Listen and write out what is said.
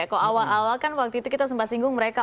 kalau awal awal kan waktu itu kita sempat singgung mereka